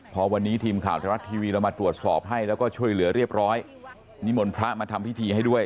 พอวันนี้ทีมข่าวไทยรัฐทีวีเรามาตรวจสอบให้แล้วก็ช่วยเหลือเรียบร้อยนิมนต์พระมาทำพิธีให้ด้วย